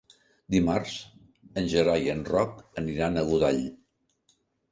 Dimarts en Gerai i en Roc aniran a Godall.